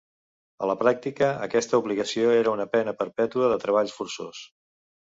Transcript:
A la pràctica, aquesta obligació era una pena perpètua de treball forçós.